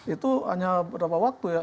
itu hanya berapa waktu ya